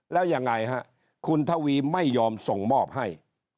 แล้วยังไงฮะคุณทวีไม่ยอมส่งมอบให้